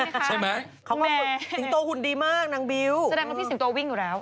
เขาเป็นออกกำลังกายอยู่แล้ว